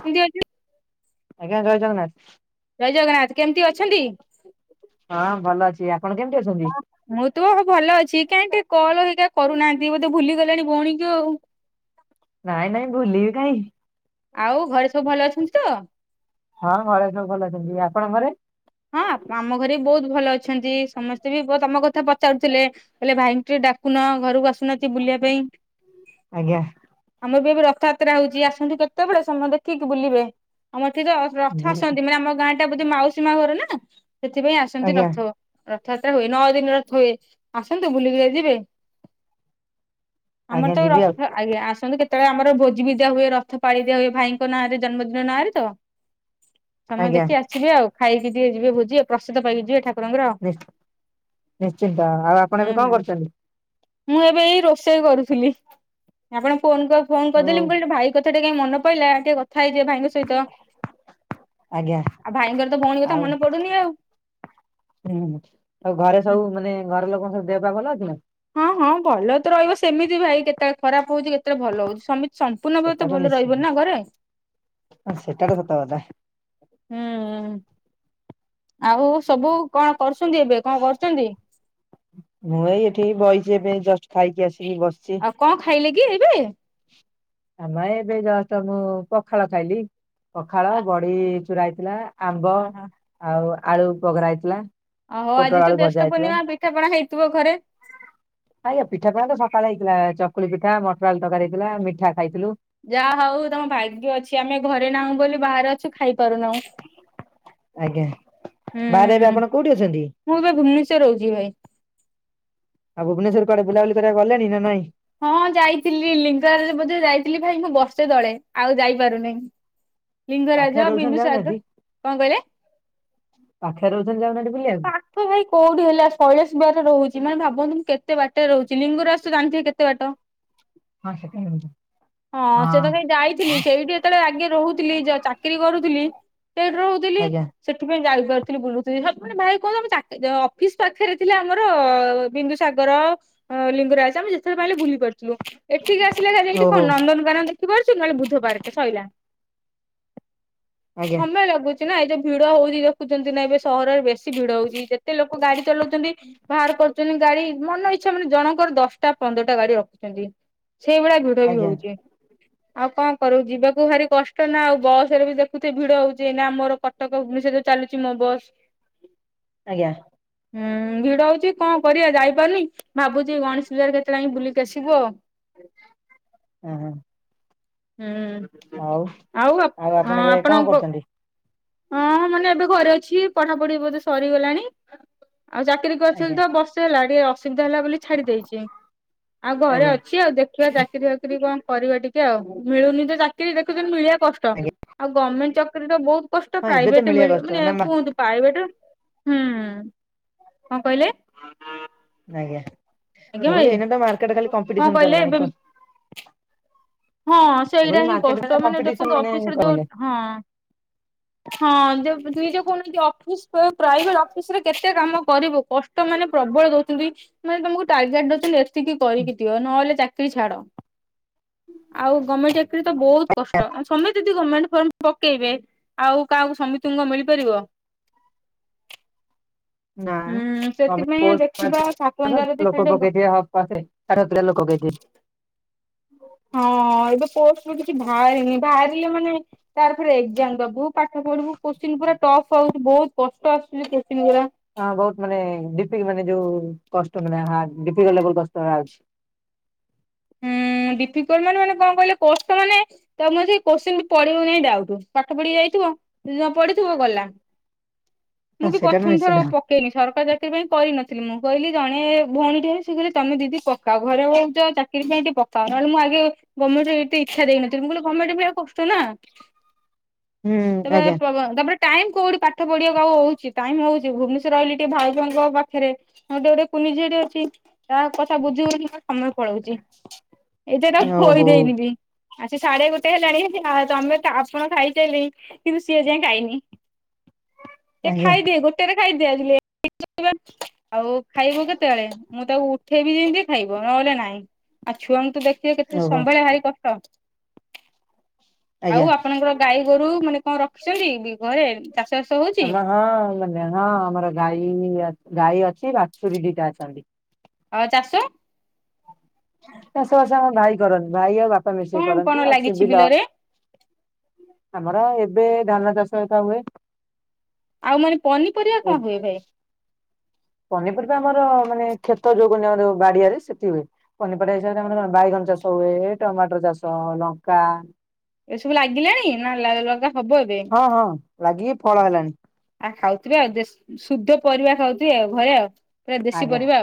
କେମ୍ତି ଅଛୁ, ଆଜ୍ଞା ଜୟ ଜଗନ୍ନାଥ ଜୟ ଜଗନ୍ନାଥ କେମତି ଅ ଅଛନ୍ତି? ହଁ ଭଲ ଅଛି। ଆପ ହଁ ମୁଁ ତୁ ଭଲ ଅଛି କାହିଁ ଟେ କଲ ହେରିକା କରୁନାହାନ୍ତି ବୋଧେ ଭୁଲିଗଲେଣି ଭଉଣୀକୁ ଆଉ। ଇ ଆଉ ଘରେ ସବୁ ଭଲ ଅଛନ୍ତି ତ? ହଁ ଘରେ ସବୁ ଭଲ ଅଛନ୍ତି। ଆ ଆପଣଙ୍କ ଘରେ? ହଁ ଆମ ଘରେ ବହୁତ ଭଲ ଅଛନ୍ତି। ସମସ୍ତେ ବି ବହୁ ତମ କଥା ପଚାରୁଥିଲେ ହେଲେ ଭାଇଙ୍କୁ ଟିକେ ଡାକୁନ ଘରକୁ ଆସୁନାହାନ୍ତି ବୁଲିବା ପାଇଁ। ଆଜ୍ଞା। ମୁଁ ବି ଏବେ ରଥଯାତ୍ରା ହଉଚି ଆସନ୍ତୁ କେତେବେଳେ ସମୟ ଦେଖିକି ବୁଲିବେ। ଆମ ଠୀ ତ ରଥ ଜି ଆସନ୍ତି ମାନେ ଆମ ଗାଁ ଟା ବୋଧେ ମାଉସୀ ମା ଘର ନା ସେଥିପାଇଁ ଆସନ୍ତି ଆଜ୍ଞା ରଥ ର ଥଯାତ୍ରା ହୁଏ। ନଅ ଦିନ ରଥ ହୁଏ। ଆସନ୍ତୁ ବୁଲିକିନା ଯିବେ। ଠା ଆମର ଆଜ୍ଞା ତ ଯିବି ଆଉ ରଥ ଆଜ୍ଞା ଆସନ୍ତୁ କେତ କେତେବେଳେ ଆମର ଭୋଜି ବି ଦିଆ ହୁଏ ରଥ ପାଳି ଦିଆ ହୁଏ ଭାଇଙ୍କ ନାଁରେ ଜନ୍ମଦିନ ନାଁରେ ତ। ସମୟ ଆଜ୍ଞା ଦେଖି ଆସିବେ ଆଉ ଖାଇକି ଟିକେ ଯିବେ ଭୋଜି ପ୍ରସିଦ୍ଧ ପାଇକି ଯିବେ ଠାକୁର ନିଶ୍ଚିନ୍ତ ନିଶ୍ଚିନ୍ତ ଆଉ ଆପଣ ହୁଁ ଏବେ କଣ ହୁଁ କରୁଚନ୍ତି? ମୁଁ ଏବେ ଏଇ ରୋଷେଇ କରୁଥିଲି, ଆପଣ ଫୋନ ଫୋନ ହଉ କରିଦେଲି ମୁଁ କହିଲ ଭାଇ କଥ ତ ଟିକେ ମନେ ପଡ଼ିଲା ଟିକେ କଥା ହେଇଯାଏଁ ଭାଇଙ୍କ ସହିତ, ଆଜ୍ଞା ଆଉ ଭାଇଙ୍କର ତ ଭଉଣୀ କଥା ଆଉ ମନେ ପଡୁନି ଆଉ ହୁଁ ଆଉ ଘରେ ସବୁ ମାନେ ଘର ଲୋକଙ୍କ ତୋ ଦେହପାହ ଭଲ ଅଛି ନା? ହଁ ହଁ ଭଲ ତ ରହିବ ସେମିତି ଭାଇ କେତେବେଳେ ଖରାପ ହଉଚି କେତେବେଳେ ଭଲ ହଉଚି। ସେମିତ ସମ୍ପୂର୍ଣ୍ଣ ଭାବେ ସେଟା ତ ଭଲ ନିଶ୍ଚିନ୍ତ ରହିବନି ନା ଘରେ? ସେଟା ତ ସତ କଥା ହୁଁ ଆଉ ସବୁ କଣ କରୁଛନ୍ତି ଏବେ କଣ କରୁଚନ୍ତି? ଜି ଏବେ ଜଷ୍ଟ ଖାଇକି ଆସିକି ବସିଚି। କଣ ଖାଇଲେ କି ଏବେ? ଆମେ ଏବେ ଜଷ୍ଟ୍ ମୁଁ ପଖାଳ ଖାଇଲି, ପଖାଳ ଆ ବଡ଼ି ଚୁରା ହେଇଥିଲା। ଆମ୍ବ ଅହୋ ଆଉ ଆଳୁ ପଘରା ହେଇଥିଲା। ଆଉ ପୋଟଳ ଆଜି ତ ଆଳୁ ଭଜା ଜ୍ୟେଷ୍ଠ ହେଇଥିଲା। ପୂର୍ଣ୍ଣିମା ପିଠାପଣା ହେଇଥିବ ଘରେ? ଆଜ୍ଞା ପିଠା ପଣା ତ ସକାଳେ ହେଇଥିଲା, ଚକୁଳି ପିଠା ମଟରଆଳୁ ତରକାରି ହେଇଥିଲା ମିଠା ଖାଇଥିଲୁ। ଯାହା ହଉ ତମ ଭାଗ୍ୟ ଅଛି ଆମେ ଘରେ ନାହୁଁ ବୋଲି ବାହାରେ କିଛ ଖାଇପାରୁନାହୁଁ। ଆଜ୍ଞା ହୁଁ ବାହାରେ ଏବେ ଆପଣ କୋଉଠି ଅଛନ୍ତି? ମୁଁ ତ ଭୁବନେଶ୍ଵରରେ ରହୁଚି ଭାଇ। ଆଉ ଭୁବନେଶ୍ୱରରେ କୁଆଡ଼େ ବୁଲାବୁଲି କରିବାକୁ ଗଲଣି ନା ନାଇଁ? ହଁ ଯାଇଥିଲି ଲିଙ୍ଗରାଜ ବୋଧେ ଯାଇଥିଲି ଭାଇ ମୁଁ ବର୍ଷେ ତଳେ ଆଉ ଯାଇପାରୁନିଁ। ପାଖରେ ଲିଙ୍ଗରାଜ, ରହୁଛନ୍ତି ବିନ୍ଦୁସାଗର ଯାଉନାହାନ୍ତି କଣ କହିଲେ? ପାଖରେ ରହୁଛନ୍ତି ଯାଉନାହାନ୍ତି ବୁଲିବାକୁ? ପାଖ ଭାଇ କୋଉଠି ହେଲା ଶୈଳେଶ୍ରୀ ବିହାର ରେ ରହୁଚି ମାନେ ଭାବନ୍ ଭାବନ୍ତୁ କେତେ ବାଟରେ ରହୁଚି, ଲିଙ୍ଗରାଜ ତ ଜାଣିଥିବେ କେତେ ବାଟ? ହଁ [unintelligible] ହଁ ସେ ତ ସେଇ ଯାଇଥିଲି ସେଇଠି ଯେତେବେଳେ ଆଗେ ରହୁଥିଲି ଯ-ଚାକିରି କରୁଥିଲି ସେଇଠି ରହୁଥିଲି ଆଜ୍ଞା ସେଥିପାଇଁ ଯାଇପାରୁଥିଲି ବୁଲୁଥିଲି ମାନେ ଭାଇ କହ ଆମ ଅଫିସ ପାଖରେ ଥିଲା ଆମର ବିନ୍ଦୁସାଗର ଲିଙ୍ଗରାଜ ତ ଆମେ ଯେତେବେଳେ ପାଇଲେ ବୁଲି ବୁଲି ପାରୁଥିଲୁ ଏଠିକି ଆସିଲେ ଖାଲି ଏଠି ଓହୋ କଣ ନନ୍ଦନକାନନ ଦେଖିପାରୁଛୁ ନହେଲେ ବୁଦ୍ଧପର୍କେ ସଇଲା। ଆଜ୍ଞା ସମୟ ଲାଗୁଛି ନା ଏତ ଭିଡ଼ ହଉଛି ଦେଖୁଛନ୍ତି ନା ଏବେ ସହରରେ ବେ ବେଶୀ ଭିଡ଼ ହଉଛି ଯେତେ ଲୋକ ଗାଡ଼ି ଚଲାଉଛନ୍ତି ବାହାର କରୁଛନ୍ତି ଗାଡ଼ି ମନ ଇଚ୍ଛା ମାନେ ଜଣଙ୍କର ଦଶଟା ପନ୍ଦରଟା ଗାଡ଼ି ରଖୁଛନ୍ତି। ସେଇ ଭଳିଆ ଭିଡ଼ ବି ଆଜ୍ଞା ହେଉଛି। ଆଉ କଣ କରୁ ଯିବାକୁ ଭାରି କଷ୍ଟ ନା ଆଉ ବସ ରେ ବି ଦେଖୁଥିବେ ଭିଡ଼ ହଉଛି ଏ ଆମର କଟକ ଭୁବନେଶ୍ୱରରେ ଚାଲୁଛି ମୋ ବସ୍। ଆଜ୍ଞା ହୁଁ ଭିଡ ହଉଛି କଣ କରିବା ଯାଇପାରୁନି ଭାବୁଛି ଗଣେଶ ପୂଜାରେ କେତେ ବେଳେ ଯାଇକି ବୁଲି ଆସିବୁ ଆଉ। ହଁ। ହୁଁ ଆଉ ଆଉ ଆପ-ହଁ ଆପଣ ଏବେ କଣ ଆପଣଙ୍କ କରୁଛନ୍ତି? ହଁ ମାନେ ଏବେ ଘରେ ଅଛି ପଢାପଢି ବୋଧେ ସରିଗଲାଣି। ଆଉ ଚାକିରି ଆଜ୍ଞା କରିଛନ୍ତିତ ବର୍ଷେ ହେଲା ଟିକେ ଅ ଅସୁବିଧା ହେଲା ବୋଲି ଛାଡି ଦେଇଛି ଆଉ ଘରେ ଆଜ୍ଞା ଅଛି ଆଉ ଦେଖିବା ଚାକିରି ଫାକିରି କଣ କରିବା ଟିକେ ଆଉ ମିଳୁନି ତ ଚାକିରୀ ଦେଖୁଛନ୍ତି ମିଳିବା କଷ୍ଟ ଆଜ୍ଞା ଆଉ ଗଭମେଣ୍ଟ ଜବ୍ କରିବ ତ ବହୁତ କଷ୍ଟ ହଁ ଏବେ ତ ପ୍ରାଇଭେଟ ମିଳିବା ମିଳିବ କଷ୍ଟ ମାନେ ନା ମା କୁହନ୍ତୁ ପ୍ରାଇଭେଟ ହୁଁ କଣ କହିଲେ? ଆଜ୍ଞା ଆଜ୍ଞା ମୁ ଭାଇ କହିଲୁ ଏଇନେ ତ ମାର୍କେଟ ଖାଲି କଣ କମ୍ପିଡିସନ୍ କହିଲେ ଚାଲିଲାଣି ଏବେ ତ ହଁ ସେଇଟା ହିଁ କଷ୍ଟ ମାନେ କମ୍ପିଟିସନ ଦେଖନ୍ତୁ ଅଫିସରେ ଯୋଉ କଲେ ହଁ। ହଁ ଦି ଯ କୌଣ ଅଫିସ ପ୍ରାଇଭେଟ ଅଫିସ ରେ କେତେ କାମ କରିବୁ। କଷ୍ଟ ମାନେ ପ୍ରବଳ ଦଉଛନ୍ତି ମାନେ ତମକୁ ଟାର୍ଗେଟ ଦଉଛନ୍ତି ଏତିକି କରିକି ଦିଅ ନହେଲେ ଚାକିରି ଛାଡ। ଆଉ ଗମେଣ୍ଟ ଚାକିରିତ ବହୁତ କଷ୍ଟ ସମୟ ଗମେଣ୍ଟ ଫର୍ମ ପକେଇବେ ଆଉ କାହାକୁ ସମିତୁଙ୍କୁ କଣ ମିଳିପାରିବ? [inaudible] ନା ହୁଁ ଗମେଣ୍ଟ ସେଥିପାଇଁ ପୋଷ୍ଟ ଦେଖିବା ଠାକୁରଙ୍କ ଦୟାରୁ ଯଦି ବାହାରିଥିବ ଖାଲି ଲୋକ ଟିକେ ପକେଇ ଥିବେ [unintelligible] ପକେଇଥିବେ। ହଁ ଏବେ ପୋଷ୍ଟ ରୁ କିଛି ହଁ ଏଇ ବାହାରିଲେ ମାନେ ତାର ଫରେ ଏକ୍ଜାମ ଦବୁ ପାଠ ପଢିବୁ କୋତ୍ସିନ ପୁରା ଟଫ୍ ହଉଛି ବହୁତ କଷ୍ଟ ଆଶୁଚି କେତେ? ହଁ ବହୁତ ମାନେ ଡିପିକ ମାନେ ଯୋଉ କଷ୍ଟ ମାନେ ହାର୍ଡ ଡିପିଲ ଲେବୁଲ କଷ୍ଟ ରା ଆଉଛି। ହୁଁ। ଡିିଫିକଲ୍ ମାନେ କଣ କହିଲ କଷ୍ଟ ମାନେ ତାମେ ସେ କୋଶ୍ଚିନ ପଢିବକି ନାଇଁ ଡାଉଟ ପାଠ ପଢିକି ଯାଇଥିବୁ ନପଡିଥିବ ଗଲା। ମୁଁ ହଁ ବି ସେଇଟା ତ ପ୍ରଥମ ଥର ନିଶ୍ଚିନ୍ତ ପକେଇନି ସରକାରୀ ଚାକିରି ପାଇଁ କରିନଥିଲି ମୁଁ କହିଲି ଜଣେ ଭଉଣୀଟିଏ ଶିଖିଲେ ତମେ ଦିଦି ପକାଅ ଘରେଉଛ ଚାକିରି ପାଇଁ ଟିକେ ପକାଅ ନହେଲେ ମୁଁ ଆଗେ ଗମେଣ୍ଟ ଚାକିରି ଏତେ ଇଛା ଦେଇନଥିଲି ମୁଁ କହିଲି ଗମେଣ୍ଟ ମିଳିବା କଷ୍ଟ ନା। ହୁଁ ତେବେ ଆଜ୍ଞା ତମମର ଟାଇମ କୋଉଠି ପାଠ ପଢିବାକୁ ଆଉ ହଉଛି ଟାଇମ ହଉଛି ଭୁବନେଶ୍ଵ ର ରହିଲି ଟିକେ ଭାଉଜଙ୍କ ପାଖରେ ତାଙ୍କର ଗୋଟେ କୁନି ଝିଅଟେ ଅଛି। ତା କଥା ବୁଝି ହଉନି ସମୟ ପଳଉଛି। ଏଯାଏ ତାକୁ ଖୋଇ ଓହୋ ଦେଇନି ବି। ଆସି ସାଢେ ଗୋଟେ ହେଲାଣି ତମେ ଆପଣ ଖାଇସାଇଲେଣି କିନ୍ତୁ ସିଏ ଏଯାଏଁ ଖାଇନି। ସେ ଆଜ୍ଞା ଖାଇଦିଏ ଗୋଟେରେ ଖାଇଦିଏ ଆଜି ଲେଟ [unintelligible] ଆଉ ଖାଇବ କେତେବେଳେ ମୁଁ ତାକୁ ଉଠେଇବି ଯେମିତି ଖାଇବ ନହେଲେ ନାଇଁ ଆଉ ଛୁଆଙ୍କୁ ତ ଦେଖ କିଏ କେତେ ଓହୋ। ସମ୍ଭାଳିବା ଭାରି କଷ୍ଟ। ଆଉ ଆଜ୍ଞା ଆପଣଙ୍କର ଗାଈ ଗୋରୁ ମାନେ କଣ ରଖିଚନ୍ତି ବି ଘରେ? ଚାଷ ବାସ ହଉଛି ହେଲା ହଁ ମାନେ ହଁ ଆମର ଗାଈ ବା ଗାଈ ଅଛି ବାଛୁରୀ ଦିଟା ଅଛନ୍ତି। ଅ ଚାଷ? ଚାଷବାସ ଆମ ଭାଇ କରନ୍ତି। ଭାଇ ଆଉ ବାପା ମିଶେଇକି କଣ କଣ କରନ୍ତି ଅଛି ଲାଗିଛି ବିଲ। ବିଲରେ? ଆମର ଏବେ ଧାନ ଚାଷ ହରିକା ହୁଏ। ଆଉ ମାନେ ପନିପରିବା କଣ ହୁଏ ଭାଇ? ପନିପରିବା ଆମର ମାନେ କ୍ଷେତ ଯୋଉ କୁହନ୍ତି ଆମର ଯଉ ବାଡିଆରେ ସେଠି ହୁଏ ପନିପିବା ହିସାବରେ ଆମର ବାଇଗଣ ଚାଷ ହୁଏ ଟମାଟର ଚାଷ ଲଙ୍କା ଏସବୁ ଲାଗିଲାଣି ନା ଲଲଗା ହବ ଏବେ? ହଁ ହଁ ଲାଗିକି ଫଳ ହେଲାଣି ଆଉ ଖାଉଥିବେ ଦେଶ୍ ଆଉ ଶୁଦ୍ଧ ପରିବା ଖାଉଥିବେ ଆଉ ଘରେ ଆଉ। ପୁରା ଦେଶୀ ଆଜ୍ଞା ପରିବା।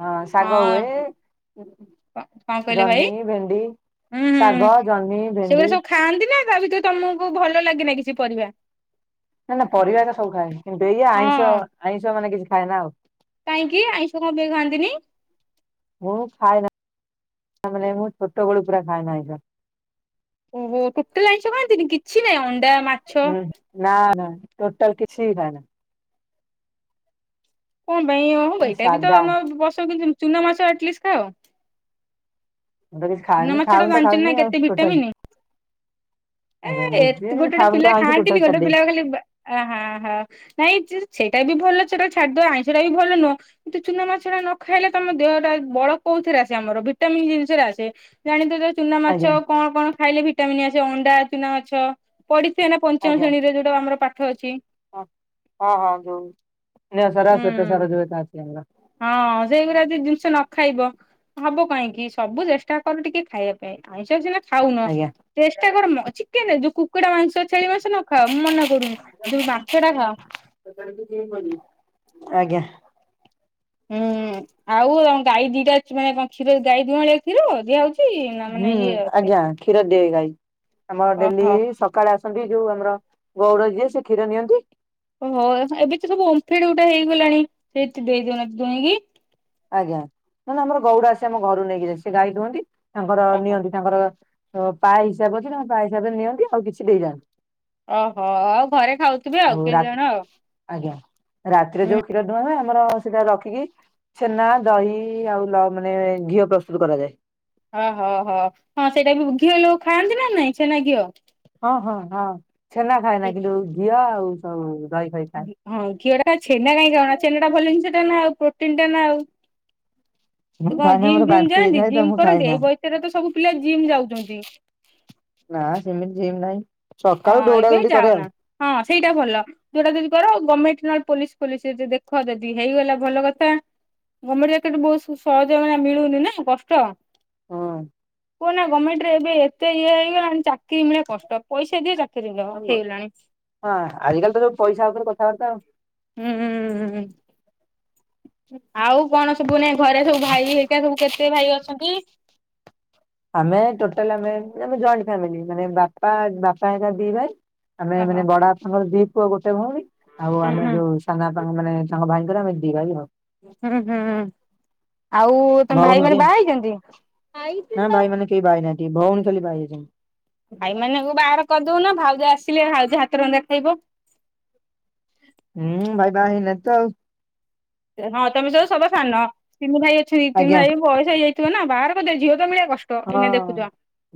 ହଁ ଶାଗ ହୁଏ। ହଁ। କଣ କହିଲେ ଭାଇ ଜହ୍ନି ଭେଣ୍ଡି ହୁଁ ଶାଗ ହୁଁ ଜହ୍ନି ଭେଣ୍ଡି ସେଗୁଡା ସବୁ ଖାଆନ୍ତିନା? ତାଭିତରେ ତମକୁ ଭଲ ଲାଗେନା କିଛି ପରିବା? ନାନା ପରିବାତ ସବୁ ଖାଏ କିନ୍ତୁ ଏଇ ଆଇଁଷ ହଁ ଆଇଁଷ ମାନେ କିଛି ଖାଏନା ଆଉ। କାହିଁକି ଆଇଁଷ କଣପାଇଁ ଖାଆନ୍ତିନି? ତାମାନେ ମୁଁ ଛୋଟବେଳୁ ପୁରା ଖାଏନା ଆଇଁଷ। ଓହୋ ଟୋଟାଲ ଆଇଁଷ ଖାଆନ୍ତିନି କିଛି ନାଇଁ ହୁଁ ନା ନା ଟୋଟାଲ କିଛି ବି ଖାଏନା। କଣ ପାଇଁ ହଉ ଏଇଟାବିତ ସାଧା ଆମ ବସକୁ ଚୁନା ମାଛ ଏଟଲିଷ୍ଟ ଖାଅ? ମୁତ କିଛି ଚୁନା ଖାଏନି ମାଛ ଟା ଖାଉନିତ ଜାଣିଛନ୍ତି ନା ଖାଉନି ଆଉ କେତେ ଟୋଟାଲ। ଭିଟାମିନ ଏ ଆଜ୍ଞା ବୁଝିଲି ଏତ କିନ୍ତୁ ଗୋଟେ ଗୋଟେ ଖାଉନି ପିଲା ତ ଆଇଁଷ ଟୋଟାଲ ଖାଆନ୍ତିନି ଛାଡି ଗୋଟେ ଦେଇଛି। ପିଲା ଖାଲି ହ ହ ହ ନାଇଁ ଯେ ଚ୍ଛେ ସେଇଟାବି ଭଲ ସେଟା ଛାଡିଦିଅ ଆଇଁଷଟାବି ଭଲ ନୁହଁ କିନ୍ତୁ ଚୁନା ମାଛଟା ନଖାଇଲେ ତମ ଦେହଟା ବଳ କଉଥିର ରେ ଆସେ ଆମର ଭିଟାମିନ୍ ଜିନିଷରେ ଆସେ ଜାଣିଥି ଚୁନା ମାଛ ଆଜ୍ଞା। କଣ କଣ ଖାଇଲେ ଭିଟାମିନ ଆସେ ଅଣ୍ଡା ଚୁନା ମାଛ ପଡି ସେ ଏଇନା ପଞ୍ଚମ ଶ୍ରେଣୀରେ ଯୋଉଟା ଆମର ପାଠ ଅଛି। ଅ ହଁ ହଁ ଯଉ ସ୍ନେହସାର ହୁଁ। ସ୍ୱେତସାର ଯଉ ଏଇଟା ଅଛି ଆମର। ହଁ ସେଇଗୁଡା ଯଦି ଜିନିଷ ନଖାଇବ ହବ କାହିଁକି ସବୁ ଚେଷ୍ଟା କର ଟିକେ ଖାଇବା ପାଇଁ ଆଇଁଷ ସିନା ଖାଉନ ଆଜ୍ଞା ଚେଷ୍ଟାକର ଚିକେନ ଯଉ କୁକ୍ କୁକୁଟା ମାଂସ ଛେଳି ମାଂସ ନଖାଅ ମୁଁ ମନା କରୁନି କିନ୍ତୁ ମାଛଟା ଖାଅ। ଆଜ୍ଞା। ହୁଁ ଆଉ ଗାଈ ଦିଟା ଅଛି ମାନେ କଣ କ୍ଷୀର ଗାଈ ଦୁଁଆଳିଆ କ୍ଷୀର ଦିଆ ହଉଚି? ହୁଁ ଆଜ୍ଞା କ୍ଷୀର ଦିଏ ଗାଈ ଆମର ଡେଲି ଓହୋ। ସକାଳେ ଆସ ସନ୍ତି ଯୋଉ ଆମର ଗଉଡ଼ ଯିଏ ସେ କ୍ଷୀର ନିଅନ୍ତି। ଓହୋ ଏବେତ ସବୁ ଅମ୍ଫେଡ ଗୋଟେ ହେଇଗଲାଣି ସେଇଥି କାଇଁ ଦେଇଦଉନାହାନ୍ତି ଦୁହିଁକିି। ଆଜ୍ଞା ନାନା ଆମର ଗଉଡ ଆସି ଆମ ଘରୁ ନେଇକି ଯାଏ ସେ ଗାଈ ଦୁଁଅନ୍ତି ତାଙ୍କର ଓହୋ। ନିଅନ୍ତି ତାଙ୍କର ତ ପା ହିସାବ ଅଛି ତାଙ୍କ ପା ହିସାବରେ ନିଅନ୍ତି ଆଉ କିଛି ଦେଇଯାନ୍ତି ଓହୋ ଆଉ ଘରେ ଖାଉଥିବେ ଆଉ କେଜଣ ଆଉ। ଆଜ୍ଞା ରାତିରେ ହୁଁ ଯୋଉ କ୍ଷୀର ଦୁଁଆହୁଏ ଆମର ସେଇଟା ରଖିକି ଛେନା ଦହି ଆଉ ଲ ମାନେ ଘିଅ ପ୍ରସ୍ତୁତ କରାଯାଏ। ଓହୋ ହୋ ହଁ ସେଇଟାବି ଘିଅ ଲୋହୁ ଖାଆନ୍ତିନା ନାଇଁ ଛେନା ଘିଅ? ହଁ ହଁ ହଁ ଛେନା ଖାଏନା କିନ୍ତୁ ଘିଅ ଆଉ ସବୁ ଦହି ଫହି ଖାଏ। ହଁ ଘିଅଟା ଛେନା କାଇହିଁ ଖାଉନା ଛେନାଟା ଭଲ ଜିନିଷଟାନା ଆଉ ପ୍ରୋଟିନଟାନା ଆଉ। ତ ମୁଁ କଣ ଖାଏନା ଜିମ୍ ମୋର ଫିମ୍ ବାନ୍ତି ଯାଆନ୍ତି ହେଇଥାଏ ତ ଜିମ୍ ମୁଁ କରନ୍ତି ଖାଏନା ଏଇ ବୟସରେତ ସବୁ ପିଲା ଜିମ୍ ଯାଉଚନ୍ତି। ନା ସେମିତି ସେମିତି ନାହିଁ। ସକାଳୁ ହଁ ଦୌଡା ଏବେ ଦୌଡି କରେ ଆଉ ଯାଅନା ହଁ ସେଇଟା ଭଲ। ଯୋଉଟା ଯଦି କର ଗମେଣ୍ଟ ନହେଲେ ପୋଲିସ ଫୋଲିସରେ ଯଦି ଦେଖ ଯଦି ହେଇଗଲା ଭଲ କଥା। ଗଭର୍ଣ୍ଣମେଣ୍ଟ ଚାକିରି ବହୁତ ସହଜ ମାନେ ମିଳୁନିନା କଷ୍ଟ। ହୁଁ। କୁହନା ଗମେଣ୍ଟ ରେ ଏବେ ଏତେ ଇଏ ହେଇଗଲାଣି ଚାକିରି ମିଳେ କଷ୍ଟ। ପଇସା ଦିଅ ଚାକିରି ମିଳିବ ହେଇଗଲାଣି। ହଁ ଆଜିକାଲିତ ଯୋଉ ପଇସା ଉପରେ କଥାବାର୍ତ୍ତା ଆଉ। ହୁଁ ଉଁ ଆଉ କଣ ସବୁ ନାଇ ଘରେ ସବୁ ଭାଇ ଘରିକା ସବୁ କେତେ ଭାଇ ଅଛନ୍ତି? ଆମେ ଟୋଟାଲଆମେ ଜଏଣ୍ଟ ଫାମିଲି, ମାନେ ବାପା ବାପା ହେଲା ଦି ଭାଇ ଆମେ ଓହୋ। ମାନେ ବଡ ବାପାଙ୍କର ଦି ପୁଅ ଗୋଟେ ଭଉଣୀ, ଆଉ ଆମେ ଯୋଉ ସାନବାପା ମାନେ ତାଙ୍କ ଭାଇ ଦି ଭାଇ ଆଉ ହୁଁ ହୁଁ, ଆଉ ତମ ଭାଇ ମାନେ ବାହା ହେଇଛନ୍ତି? ନାଇ ଭାଇ ମାନେ, କେହି ବହାହେଇନାହାନ୍ତି ଭଉଣୀ ଖାଲି ବାହାହେଇଛନ୍ତି। ଭାଇ ମାନଙ୍କୁୁ ବାହାର କରିଦଉନା ଭାଉଜ ଆସ ଥିଲେ ଭାଉଜ ହାତ ରନ୍ଧା ଖାଇବ। ହୁଁ, ଭାଇ ବାହାହେଇନାହାନ୍ତି ତ। ହଁ ତମେ ସବ ସଭା ସାନ, ତିନି ଭାଇ ଅଛନ୍ତି ତିନି ଆଜ୍ଞା। ଭାଇଙ୍କୁ ବୟସ ହେଇଯାଇଥିବନା? ବାହାର କରିଦିଅ ଝିଅ ତ ମିଳବ। ହଁ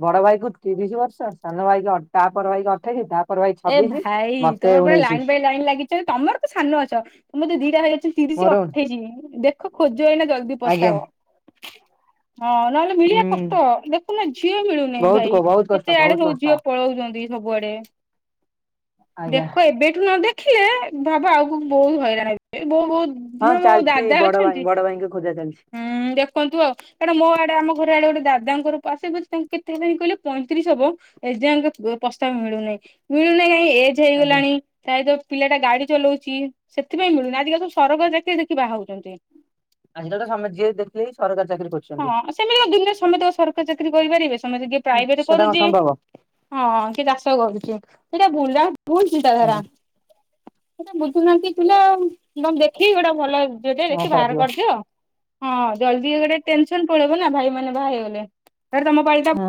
ବଡ ଭାଇକୁ ତିରିଶ ବର୍ଷ, ସାନ ଭାଇକୁ ତାପର ଭାଇକି ଅଠେଇଶି, ତା ପର ଭାଇ ଏ ଛବିଶି। ଭାଇ ମତେ ତମର ପୁରା ଉଣେଇଶି ଲାଇନ୍ ବାଇ ଲାଇନ୍ ଲାଗିଛ, ତମର ତ ସାନ ଅଛ, ତମର ଯ ଦିଟା ଭାଇ ତିରିଶ, ମୋର ଅଠେଇଶି ଦେଖ ଖୋଜ ଏଇନା ଜଲ୍ଦୀ ଆଜ୍ଞା ପ୍ରସ୍ତାବ। ହଁ ନହେଲେ ହୁଁ ମିଳିବା କଷ୍ଟ, ଦେଖୁନ ଝିଅ ମିଳୁନାଇ ବହୁତ କ ଭାଇ, ବହୁତ କଷ୍ଟ କେତେ ଆଡେ ବହୁତ ସବୁ କଷ୍ଟ। ଝିଅ ପଳଉଛନ୍ତି। ସବୁଆଡେ ଆଜ୍ଞା ଦେଖ ଏବେଠୁ ନ ଦେଖିଲେ ଭାବ ଆଗକୁ ବହୁତ ହଇରାଣ ହେବେ, ବହୁତ୍ ହଁ ମୋର ଜଣେ ଚାଲିଛି ଦାଦା ବଡ ଭାଇ ଅଛନ୍ତି ବଡ ଭାଇଙ୍କ ଖୋଜା ଚାଲିଛି ହୁଁ ଦେଖନ୍ତୁ ଆଉ, କାରଣ ମୋ ଆଡେ ଆମ ଘର ଆଡେ ଗୋଟେ ଦା ଦାଦାଙ୍କର ସେ ବା ତାଙ୍କୁ କେତେ ହେଲାଣି କହିଲେ, ପଇଁତିରିଶ ହବ, ଏ ଯାଙ୍କେ ପ୍ରସ୍ତାବ ମିଳୁନାହିଁ। ମିଳୁନାଇ କାହିଁକି ଏଜ୍ ଆଜ୍ଞା। ହେଇଗଲାଣି ପ୍ରାୟତ ପିଲାଟା ଗାଡି ଚଲଉଚି ସେଥିପାଇଁ ମିଳୁନି, ଆଜିକାଲି ସବୁ ସରକାରି ଚାକିରି ଦେଖି ବାହାହଉଛନ୍ତି। ଆମ ପଟେ ସମସ୍ତେ ଯିଏ ଦେଖିବେ ସରକାରୀ ଚାକିରି କରୁଛନ୍ତି ହଁ ସେମିତି ଦୁନିଆରେ ସମେତେ ସରକାରୀ ଚାକିରି କରିପାରିବେ, ସମତେ ଯେ ପ୍ରାଇଭେଟ ସେଟା କଣ କରୁଚି। ସମ୍ଭବ ହଁ କିଏ ଚାଷ କରୁଚି? ସେଟା ବୁଲା ଭୁଲ୍ ଚିନ୍ତାଧାରା ଆଜ୍ଞା। ସେଟା ବୁଝୁନାହାନ୍ତି ପିଲା ଆଉ ମ ଦେଖି ଗୋଟେ ଭଲ ଝିଅଟେ କଣ ଦେଖି ବାହାଘର କରାଯିବ କରିଦିଅ, ହଁ ଜଲ୍ଦୀ ଗୋଟେ ଟେନସନ ପଳେଇବ ନା ଭାଇ ମାନେ ବାହା ହେଇଗଲେ, ତାପରେ ତମ ପାଳିଟା ହଁ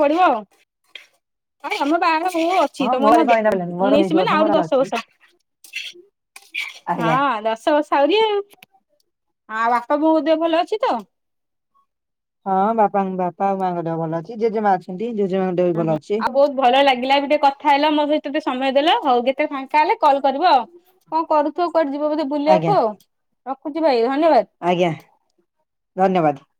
ପଡିବ ଆଉ, ଆରେ ଆମ ବାହାଘର ମୁଁ ଅଛି ହଁ ତମ ମୋର ନା କଣ ଏଇନା ପିଲାନି ମୋର ଉଣେଇଶି ମାନେ ବର୍ଷ ମୋର ଆହୁରି ଦଶ ଅଛି ବର୍ଷ। ଆଜ୍ଞା। ହଁ ଦଶ ବଶ୍ ଆଉରି ଆଉ, ବାପା ବୋଉ ଦେହ ଭଲ ଅଛି ତ? ହଁ ବାପାଙ୍କ ବାପା ଆଉ ମାଆଙ୍କ ଦେହ ଭଲ ଅଛି ଜେଜେ ମା ଅଛନ୍ତି। ଜେଜେମାଙ୍କ ଦେହ ବି ହୁଁ ଭଲ ହୁଁ ଅଛି ଆଉ ବହୁତ ବଢିଆ ଲାଗିଲା ବି ଟିକେ କଥା ହେଲ, ମୋ ସହିତ ଟିକେ ସମୟ ଦେଲ, ହଉ ଯେତେବେଳ ଫାଙ୍କା ହେଲେ କଲ କରିବ ଆଉ କଣ କରୁଥିବ? କୁଆଡେ ଯିବ ବୋଧେ ଆଜ୍ଞା ବୁଲିବାକୁ ଆଉ ରଖୁଛି ଭାଇ। ଧନ୍ୟବାଦ। ଆଜ୍ଞା ଧନ୍ୟବାଦ।